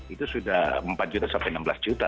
itu sudah empat juta sampai enam belas juta